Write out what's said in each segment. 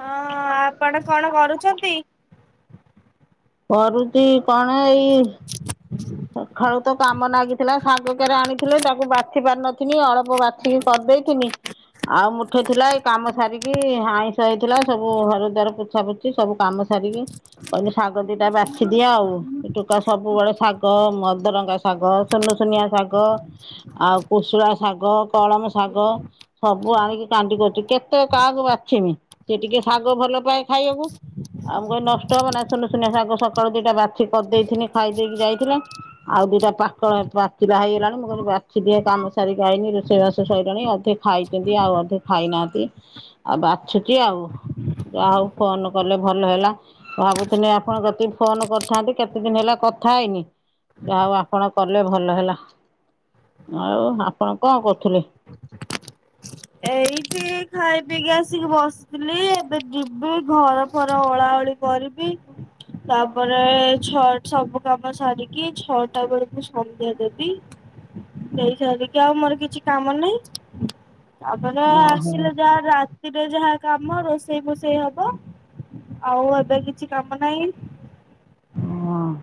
ହଁ, ଆପଣ କଣ କରୁଛନ୍ତି? କରୁଛି କଣ ଏଇ? [inaudible] ମୋର ତ କାମ ନାଗିଥିଲା ଶାଗ କେରେ ଆଣିଥିଲେ। ତାକୁ ବାଛି ପାରିନଥିନି ଅଳ୍ପ ବାଛିକି କରିଦେଇଥିନି। ଆଉ ମୁଠେ ଥିଲା, ଏଇ କାମ ସାରିକି ଆଇଁଷ ହେଇଥିଲା ସବୁ ଘର ଦ୍ୱାର ପୋଛା ପୁଛି ସବୁ କାମ ସାରିକି, କହିଲେ ଶାଗ ଦିଟା ବାଛି ଦିଅ ଆଉ। ସେ ଟୋକା ସବୁବେଳେ ଶାଗ ଶ ମଦରଙ୍ଗା ଶାଗ ସୁନୁ ଶୁନିଆ ଶାଗ। ଆଉ କୁଷୁଳା ଶାଗ କଳମ ଶାଗ। ସବୁ ଆଣିକି କାଣ୍ଡି କରିଛି କେତେ କାହାକୁ ବାଛିମି। ସେ ଟିକେ ଶାଗ ଭଲ ପାଏ ଖାଇବାକୁ। ଆଉ ମୁଁ କହିନି ନଷ୍ଟ ହବ ନା। ଶୁନୁ ଶୁନିଆ ଶାଗ ସକାଳୁ ଦିଟା ବାଛି କରିଦେଇଥିଲି ଖାଇ ଦେଇକି ଯାଇଥିଲା। ଆଉ ଦିଟା ପାକଳ ପାଚିଲା ହେଇଗଲାଣି। ମୁଁ କହିଲି ବାଛିିଦିଏ କାମ ସାରିକି ଆଇନି ରୋଷେଇବାସ ସଇଲାଣି ଅଧେ ଖାଇ ଛନ୍ତି ଆଉ ଅଧେ ଖାଇନାହାନ୍ତି ଆଉ ବାଛୁଛି ଆଉ। ଯାହାଉ ଫୋନ କଲେ ଭଲ ହେଲା। ଭାବୁଥିଲି ଆପଣ କତିକି ଫୋନ କରିଥାନ୍ତି କେତେ ଦିନ ହେଲା କଥା ହେଇନି। ଯାହାଉ ଆପଣ କଲେ ଭଲ ହେଲା। ଆଉ ଆପଣ କଣ କରୁଥିଲେ। ଏଇଠି ଖାଇ ପିଇକି ଆସିକି ବସ ଥିଲି, ଏବେ ଯିବି ଘର ଫର ଓଳା ଓଳି କରିବି। ତାପରେ ଛ ଛବୁ କାମ ସରିକି ଛଅଟା ବେଳକୁ ସନ୍ଧ୍ୟା ଦେବି। ଦେଇ ସାରିକି ଆଉ ମୋର କିଛି କାମ ନାହିଁ। ତାପରେ ଓହୋ ଆସିଲେ ଯାହା ରା ରେ ଯାହା କାମ ରୋଷେଇ ଫୋଷେଇ ହବ, ଆଉ ଏବେ କିଛି କାମ ନାହିଁ। ହଁ।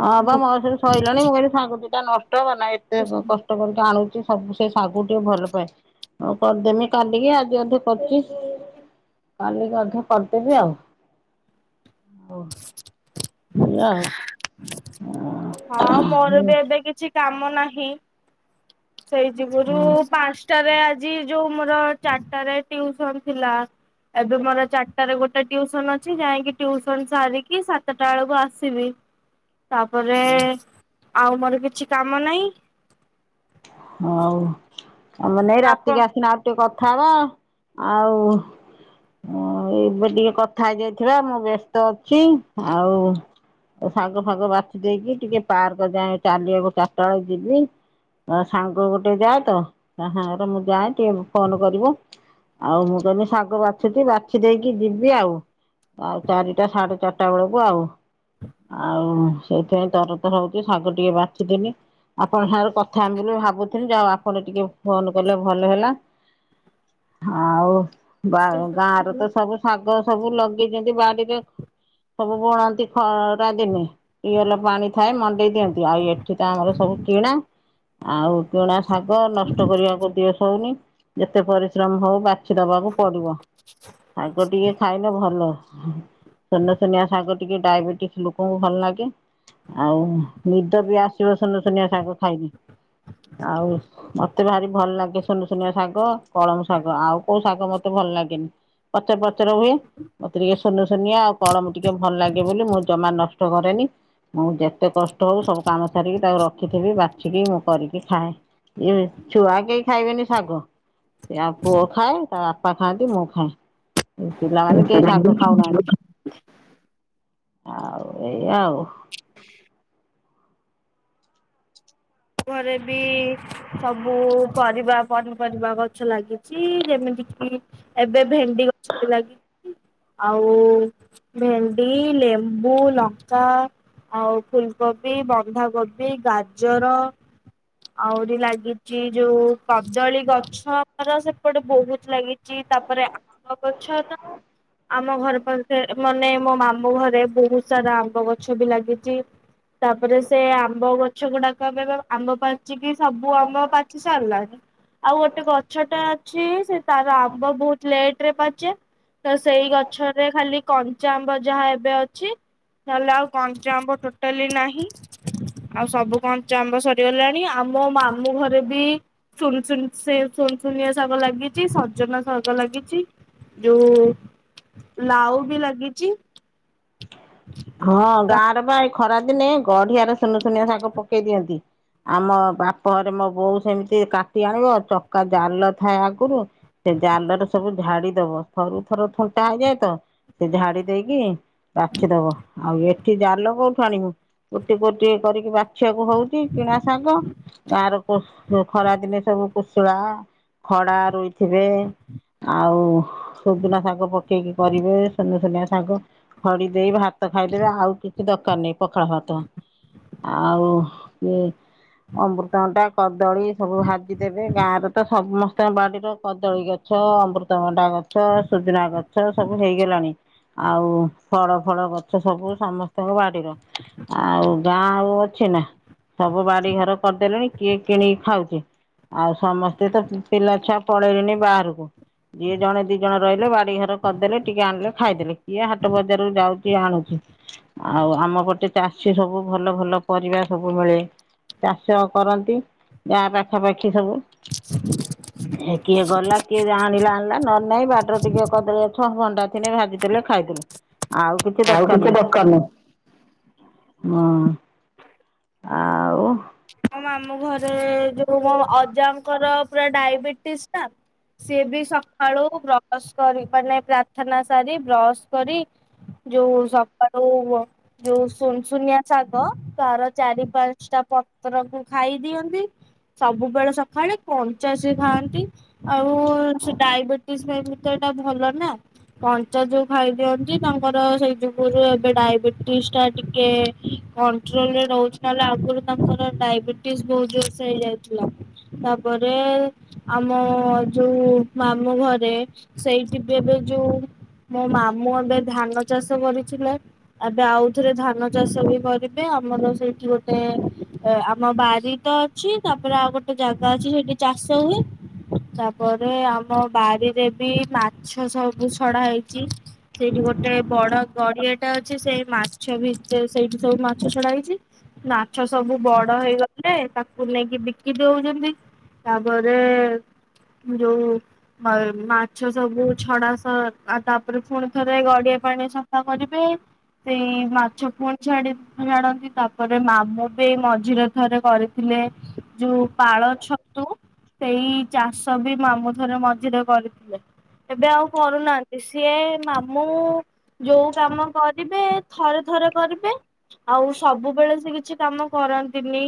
ହଁ ବା ମୋ ସେଇବି ସଇଲାଣି, ମୁଁ କହିଲି ଶାଗ ଦିଟା ନଷ୍ଟ ହବ ନା ଏତେ କଷ୍ଟ କରିକି ଆଣୁଛି ସବୁ ସେ ଶାଗୁକୁ ଟିକେ ଭଲ ପାଏ। ହଉ କରିଦେମି କାଲିକି ଆଜି ଅଧେ କରୁଚି। କାଲିକି ଅଧା କରିଦେବି ଆଉ। [inaudible] ଏଇଆ ଆଉ। ହଁ ମୋର ବି ଏବେ କିଛି କାମ ନାହିଁ। ସେଇ ଯଗରୁ ପାଞ୍ଚଟାରେ ଆଜି ଯୋଉ ମୋର ଚାରିଟାରେ ଟିଉସନ ଥିଲା। ଏବେ ମୋର ଚାରିଟାରେ ଗୋ ଟିଉସନ ଅଛି, ଯାଇକି ଟଟିୁସନ ସାରିକି ସାତଟା ବେଳକୁ ଆସିବି। ତାପରେ ଆଉ ମୋର କିଛି କାମ ନାହିଁ। ହଉ ମୁଁ କହିନି ଆପ ରାତିକ ଆସିନେ ଆଉ ଟିକେ କଥା ହେବା। ଆଉ ହ ଏବେ ଟିକେ କଥା ହେଇଯାଇଥିବା ମୁଁ ବ୍ୟସ୍ତ ଅଛି ଆଉ ଶାଗ ଫାଗ ବାଛି ଦେଇକି ଟିକେ ପାର୍କ ଯାଏ ଚାଲିବାକୁ ଚାରିଟା ବେଳକୁ ଯିବି। ଅ ସାଙ୍ଗ ଗୋଟେ ଯାଏ ତ, ତା ସାଙ୍ଗରେ ମୁଁ ଯାଏ ଟିକେ ଫୋନ କରିବ। ଆଉ ମୁଁ କହିଲି ଶାଗ ବାଛୁଛି ବାଛି ଦେଇକି ଯିବି ଆଉ ଆଉ ଚାରିଟା ସାଢେ ଚାରି ଟା ବେଳକୁ ଆଉ। ଆଉ ସେଇଥିପାଇଁ ତରତର ହଉଚି ଶାଗ ଟିକେ ବାଛିଦେନି ଆପଣ ସାଙ୍ଗରେ କଥ ଥା ହେମି ବୋଲି ଭାବୁଥିଲି ଯାହାହଉ ଆପଣ ଟିକେ ଫୋନ କଲେ ଭଲ ହେଲା। ହଉ ବା ଗାଁର ତ ସବୁ ଶାଗ ସବୁ ଲଗେଇଚନ୍ତି ବାଡିରେ ସବୁ ବୁଣନ୍ତି ଖ ରା ଦିନେ ଟିଅଲ ପାଣି ଥାଏ ମଣ୍ଡେଇ ଦିଅନ୍ତି ଆଉ ଏଠି ତ ଆମର ସବୁ କିଣା। ଆଉ କିଣା ଶାଗ ନଷ୍ଟ କରିବାକୁ ଦିଅ ସଉନି ଯେତେ ପରିଶ୍ରମ ହଉ ବା ଛି ଦବାକୁ ପଡିବ ଶାଗ ଟିକେ ଖାଇଲେ ଭଲ ସୁନସୁନିଆ ଶାଗ ଟିକେ ଡାଇବେଟିସ ଲୋକଙ୍କୁ ଭଲ ଲାଗେ ଆଉ ନିଦ ବି ଆସିବ ସୁନୁ ସୁନିଆ ଶାଗ ଖାଇନକି ଆଉ ମତେ ଭାରି ଭଲ ଲାଗେ ସୁନସୁନିଆ ଶାଗ କଳମ ଶାଗ ଆଉ କୋଉ ଶାଗ ମତେ ଭଲ ଲାଗେନି। ପଚ ପଚରେ ହୁଏ ମତେ ଟିକେ ସୁନୁ ସୁନିଆ ଆଉ କଳମ ଟିକେ ଭଲ ଲାଗେ ବୋଲି ମୁଁ ଜମା ନଷ୍ଟ ଷ୍ଟ କରେନି ମୁଁ ଯେତେ କଷ୍ଟ ହଉ ସବୁ କାମ ସାରିକି ତାକୁ ରଖିଥିବି ବା ଛିକି ମୁଁ କରିକି ଖାଏ ଇଏ ଛୁଆ କେହି ଖାଇବେନି ଶାଗ। ସେ ଆଉ ପୁଅ ଖାଏ ତା ବାପା ଖାଆନ୍ତି ମୁଁ ଖାଏ। ପିଲାମାନେ କେହି ଶାଗ ଖାଉନାହାନ୍ତି ଆଉ ଏଇଆ ଆଉ। ଘରେ ବି ସବୁ ପରିବା ପନିପରିବା ଗଛ ଲାଗିଚି ଯେମିତି କିି ଏବେ ଭେଣ୍ଡି ଗଛ ବି ଲାଗିଚି ଆଉ ଭେଣ୍ଡି ଲେମ୍ବୁ ଲଙ୍କା ଆଉ ଫୁଲକୋବି ବନ୍ଧାକୋବି ଗାଜର ଆହୁରି ଲାଗିଚି ଯୋଉ କଦଳୀ ଗଛ ଆମର ସେପଟେ ବହୁତ ଲାଗିଚି। ଚି ତାପରେ ଆ ଗଛ ତ ଆମ ଘର ପାଖରେ ମାନେ ମୋ ମାମୁଁ ଘରେ ବହୁତ ସାରା ଆମ୍ବ ଗଛ ବି ଲାଗିଚି ତାପରେ ସେ ଆମ୍ବ ଗଛ ଗୁଡାକ ଆମେ ଆମ୍ବ ପାଚିକି ସବୁ ଆମ୍ବ ପାଚି ସାରିଲାଣି। ଆଉ ଗୋଟେ ଗଛଟେ ଅଛି ସେ ତାର ଆମ୍ବ ବହୁତ ଲେଟ ରେ ପାଚେ ତ ସେଇ ଗଛରେ ଖାଲି କଞ୍ଚା ଆମ୍ବ ଯାହା ଏବେ ଅଛି ନହେଲେ ଆଉ କଞ୍ଚା ଆମ୍ବ ଟୋଟାଲି ନାହିଁ ଆଉ ସବୁ କଞ୍ଚା ଆମ୍ବ ସ ହେଲାଣି ଆମ ମାମୁଁ ଘରେ ବି ସୁନୁ ସୁନୁ ସେ ଶୁନୁସୁନିଆ ଶାଗ ଲାଗିଚି ସଜନା ଶାଗ ଲାଗିଚି। ଯୋଉ ଲାଉ ବି ଲାଗିଚି। ହଁ ଗାଁ ରେ ବା ଏଇ ଖରା ଦିନେ ଗଢିଆରେ ସୁନୁ ଶୁନିଆ ଶାଗ ପକେଇ ଦିଅନ୍ତି। ଆମ ବାପ ଘରେ ମୋ ବୋଉ ସେମିତି କାଟି ଆଣିବ ଚକା ଜାଲ ଥାଏ ଆଗରୁ ସେ ଜାଲରେ ସବୁ ଝାଡି ଦବ ଥରୁ ଥରୁ ଥଣ୍ଟା ହେଇଯାଏ ତ ସେ ଝାଡି ଦେଇକି ବାଛିଦବ ଆଉ ଏଠି ଏଠି ଜାଲ କୋଉଠୁ ଆଣିବୁ ଗୋଟି ଗୋଟି କରିକି ବାଛିବାକୁ ହଉଚି କିଣା ଶାଗ ଗାଁ ରେ କୋଷ ଖରା ଦିନି ସବୁ କୁଶୁଳା ଖଡା ରୋଇଥିବେ। ଆଉ ସୁଜୁନା ଶାଗ ପକେଇକି କରିବେ ସୁନ ସୁନିଆ ଶାଗ ଖଡି ଦେଇ ଭାତ ଖାଇଦେବେ ଆଉ କିଛି ଦରକାର ନାହିଁ ପଖାଳ ଭାତ। ଆଉ କିଏ ଅମୃତଭଣ୍ଡା କଦଳୀ ସବୁ ଭାଜିଦେବେ ଗାଁରେ ତ ସମସ୍ତଙ୍କ ବାଡିର କଦଳୀ ଗଛ ଗଛ ଅମୃତଭଣ୍ଡା ଗଛ ସୁଜୁନା ଗଛ ସବୁ ହେଇଗଲାଣି ଆଉ ଫଳ ଫଳ ଗଛ ସବୁ ସମସ୍ତଙ୍କ ବାଡିର ଆଉ ଗାଁ ଆଉ ଅଛି ନା। ସବୁ ବାଡି ଘର କରିଦେଲେଣି କିଏ କିଣିକି ଖାଉଚି ଆଉ ସମସ୍ତେ ତ ପିଲା ଛୁଆ ପଳେଇଲେଣିି ବାହାରକୁ ଯିଏ ଜଣେ ଦି ଜଣ ରହିଲେ ବାଡି ଘର କରିଦେଲେ ଟିକେ ଆଣିଲେ ଖାଇଦେଲେ କିଏ ହ ଟ ବଜାରରୁୁ ଯାଉଚି ଆଣୁଚି। ଆଉ ଆମ ଗଟେ ଚାଷୀ ସବୁ ଭଲ ଭଲ ପରିବା ସବୁ ମିଳେ। ଚାଷ କରନ୍ତି ଗାଁ ପାଖାପାଖି ସବୁ। [inaudible] ଏ କିଏ ଗଲା କିଏ ଆାଣିଲା ଆଣିଲା ନ ନାଇଁ ବାଟରେ ଟିକେ କହିଦେଳ ଛଅ ଘଣ୍ଟା ଭାଜିଥିଲେ ଖାଇଦଲେ ଆଉ କିଛି ଦରକାରନହି ହଁ ଆ। ଆଁ ମମ ଘରେ ଯୋଉ ଅଜାଙ୍କର ପୁରା ଡାଇବେଟିସ୍ ଟା ସିଏ ବି ସକାଳୁ ର କରିପାରନାହି ପ୍ରାର୍ଥନା ସାରି ବ୍ରଶ କରି ଯୋଉ ସକାଳୁ ଯୋଉ ସୁନ ଶୁନିଆ ଶାଗ କାାର ଚାରି ପାଞ୍ଚଟା ପ ପତରକୁ ଖାଇ ଦିଅନ୍ତି ସବୁବେଳେ ସକାଳେ କଞ୍ଚାସ ଖାଆନ୍ତି। ଆଉ ସେ ଡାଇବେଟିସ ପାଇଁ ତ ଏଇଟା ଭଲ ନା। କଞ୍ଚା ଯୋଉ ଖାଇଦିଅନ୍ତି ତାଙ୍କର ସେଇ ଯୁଗରୁ ଏବେ ଡାଇବେଟିସ୍ ଟା ଟିକେ କ ରହୁଛି ନହେଲେ ଆଗରୁ ତାଙ୍କର ଡାଇବେଟିସ୍ ବହୁତ ଜୋରସେ ହେଇଯାଇଥିଲା। ତାପରେ ଆମ ଯୋଉ ମାମୁଁ ଘରେ ସେଇଠି ବି ଏବେ ଯୋଉ ମୋ ମାମୁଁ ଏବେ ଧାନ ଚାଷ କରିଥିଲେ। ଏବେ ଆଉଥରେ ଧାନ ଚାଷ ବି କରିବେ ଆମର ସେଇଠି ଗୋଟେ ଆମ ବାରି ତ ଅଛି ତାପରେ ଆଉ ଗୋଟେ ଜାଗା ଅଛି ସେଠି ଚାଷ ହୁଏ। ତାପରେ ଆମ ବାରିରେ ବି ମାଛ ସବୁ ଛଡା ହେଇଚି। ସେଇଠି ଗୋଟେ ବଡ ଗଡିଆଟେ ଅଛି ସେଇ ମାଛ ଭିତରେ ସେଇଠି ସବୁ ମାଛ ଛଡା ହେଇଚି। ମାଛ ସବୁ ବଡ ହେଇଗଲେ ତାକୁ କୁ ନେଇକି ବିକି ଦଉଚନ୍ତି ତାପରେ ଯୋଉ ମା ମାଛ ସବୁ ଛଡାସ ଆଉ ତାପରେ ପୁଣିଥରେ ଗଡିଆ ପାଣି ସଫା କରିବେ। ସେଇ ମାଛ ପୁଣି ଛାଡି ଛାଡନ୍ତି ତାପରେ ମାମୁଁ ସେ ମଝିରେ ଥରେ କରିଥିଲେ। ଯୋଉ ପାଳ ଛତୁ ସେଇ ଚାଷ ବି ମାମୁଁ ଥରେ ମଝିରେ କରିଥିଲେ। ଏବେ ଆଉ କରୁନାନ୍ତି ସିଏ ମାମୁଁ ଯୋଉ କାମ କରିବେ ଥରେ ଥରେ କରିବେ ଆଉ ସବୁବେଳେ ସେ କିଛି କାମ କରନ୍ତିନି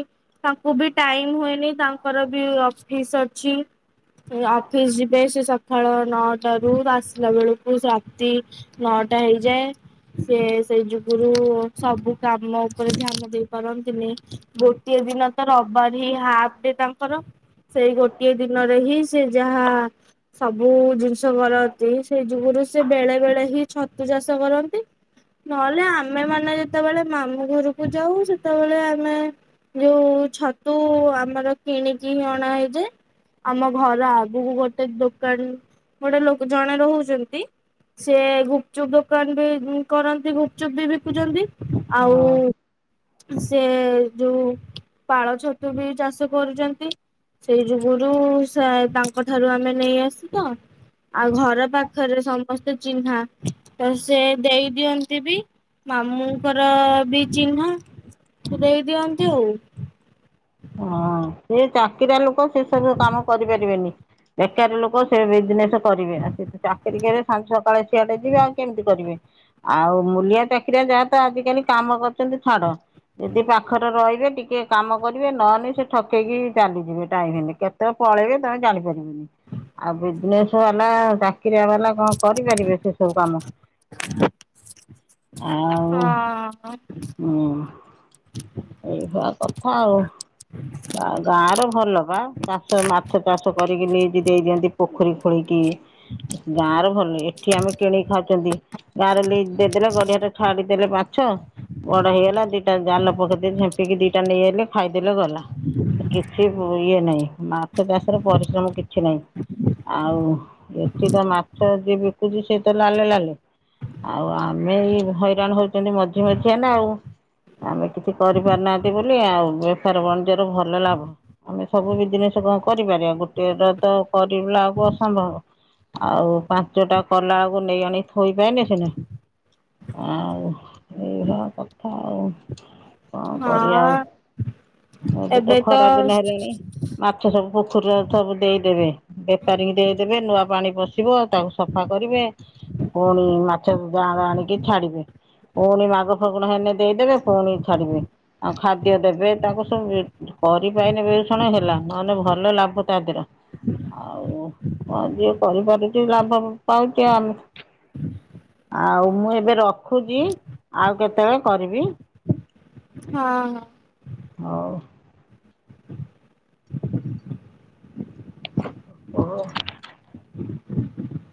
ତାଙ୍କୁ ବି ଟାଇମ ହୁଏନି ତାଙ୍କର ବି ଅଫିସ ଅଛି। ଅଫିସ ଯିବେ ସେ ସଖାଳ ନଅଟାରୁ ଆସିଲା ବେଳକୁ ରାତି ନଅଟା ହେଇଯାଏ ସେ ସେଇ ଯୁଗୁରୁ ସବୁ କାମ ଉପରେ ଧ୍ୟାନ ଦେଇ ପାରନ୍ତିନି। ଗୋଟିଏ ଦିନ ତ ରବାରି ହାଫ ଡେ ତାଙ୍କର। ସେଇ ଗୋଟିଏ ଦିନରେ ହିଁ ସେ ଯାହା ସବୁ ଜିନିଷ କରନ୍ତି ସେଇ ଯୁଗୁରୁ ସେ ବେଳେ ବେଳେ ହିଁ ଛତୁ ଚାଷ କରନ୍ତି। ନହଲେ ଆମେ ମାନେ ଯେତେବେଳେ ମାମୁଁ ଘରୁକୁ ଯାଉ ସେତବେଳେ ନାଁ ଯୋଉ ଛତୁ ଆମର କିଣିକି ଅଣା ହେଇଯାଏ। ଆମ ଘର ଆଗୁକୁ ଗୋଟେ ଦୋକାନ ଗୋଟେ ଲୋକ ଜଣେ ରହୁଚନ୍ତି। ସେ ଗୁପଚୁପ୍ ଦୋକାନ ବି କରନ୍ତି ଗୁପଚୁପ୍ ବି ବିକୁଛନ୍ତି ଆଉ ସେ ଯୋଉ ପାଳ ଛତୁ ବି ଚାଷ କରୁଚନ୍ତି। ସେଇ ଯୁଗୁରୁ ସେ ତାଙ୍କ ଠାରୁ ଆମେ ନେଇ ଆସୁ ତ। ଆଉ ଘର ପାଖରେ ସମସ୍ତେ ଚିହ୍ନା ତ ସେ ଦେଇ ଦିଅନ୍ତି ବି। ମାମୁଁଙ୍କର ବି ଚିହ୍ନା ଦେଇ ଦିଅନ୍ତି ଆଉ। ହଁ ସେ ଚାକିରିଆ ଲୋକ ସେ ସବୁ କାମ କରିପାରିବେନି। ବେକାରୀ ଲୋକ ସେ ବିଜନେସ କରିବେ ସେ ତ ଚାକିରି କରିବେ ସଞ୍ଜ ସକାଳେ ସିଆଡେ ଯିବେ ଆଉ କେମତି କରିବେ ଆଉ ମୂଲିଆ ଟେ କିରେ ଯାହା ତ ଆଜିକାଲି କାମ କରୁଚନ୍ତି ଛାଡ ଯଦି ପାଖରେ ରହିବେ ଟିକେ କାମ କରିବେ ନଅନେ ସେ ଠକେଇକି ଚାଲିଯିବେ ଟାଇମ ହେଲେ କେତବଳେ ପଳେଇବେ ତମେ ଜାଣିପାରିବନି। ଆ ବିଜନେସ ବାଲା ଚାକିରିଆ ବାଲା କଣ କରିପାରିବେ ସେ ସବୁ କାମ। ହଁ ଉଁ ଏଇଭଳା କଥା ଆଉ ବା ଗାଁ ର ଭଲ ବା ଚାଷ ମାଛ ଚାଷ କରିକି ନେଇକି ଦେଇଦିଅନ୍ତି। ପୋଖରୀ ଖୋଳିକି ଗାଁରେ ଭଲେ ଏଠି ଆମେ କିଣିକି ଖାଉଚନ୍ତି ଗାଁରେ ଲିଜ ଦେଇଦେଲେ ଗଡିିଆ ଟା ଛାଡ଼ିଦେଲେ ମାଛ। ବଡ ହେଇଗଲା ଦିଟା ଜାଲ ପକେଇଦେଇକି ଝିମ୍ପିକି ଦିଟା ନେଇ ଆଇଲେ ଖାଇଦେଲେ ଗଲା କିଛି ମୋ ଇଏ ନାହିଁ ମାଛ ଚାଷର ପରିଶ୍ରମ କିଛି ନାହିଁ। ଆଉ ଏଠି ତ ମାଛ ଯିଏ ବିକୁଚି ସେ ତ ଲାଲେ ଲାଲେ। ଆଉ ଆମେ ଏଇ ହଇରାଣ ହଉଚନ୍ତି ମଝି ମଝିଆ ନା ଆଉ ଆମେ କିଛି କରିପାରୁନାହାନ୍ତି ବୋଲି ଆଉ ପାର ବଣଜର ଭଲ ଲାଭ। ଆମେ ସବୁ ବିଜନେସ କଣ କରିପାରିବା ଗୋଟିଏ ଟା ତ କରିଲାକୁ ଅସମ୍ଭବ। ଆଉ ପାଞ୍ଚଟା କଲା ବେଳକୁ ନେଇ ଆଣି ଥୋଇପାଇନେ ସୀନା। ଆଉ ଏଇଭଳା କଥା ଆଉ କଣ କରିବା ଆଉ ହଁ ଏବେ ତ ଖରା ଦିନ ହେଲେଣି। ମାଛ ସବୁ ପୋଖରୀରେ ଏଥର ଦେଇଦେବେ। ବେପାରୀକୁ ଦେଇଦେବେ ନୂଆ ପାଣି ପଶିବ ତାକୁ ସଫା କରିବେ। ପୁଣି ମାଛ ଜାଆଁଳ ଆଣିକି ଛାଡିବେ। ପୁଣି ମାଘ ଫାଗୁଣ ହେଲେ ଦେଇଦେବେ ପୁଣି ଛାଡିବେ ଆଉ ଖାଦ୍ୟ ଦେବେ ତାଙ୍କୁ ସବୁ ନି କରି ପାଇନି ବିଷଣ ହେଲା ନହେଲେ ଭଲ ଲାଭ ତା ଦେହର। ଆଉ ହ ଯିଏ କରିପାରୁଛି ଲାଭ ପାଉଛି ଆମେ ଆଉ ମୁଁ ଏବେ ରଖୁଛି ଆଉ କେତେବେଳେ କରିବି। ହଁ ହଁ। ହଉ। ଓ ହୋ ଅ।